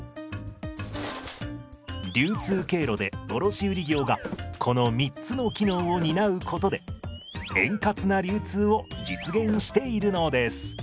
流通経路で卸売業がこの３つの機能を担うことで円滑な流通を実現しているのです。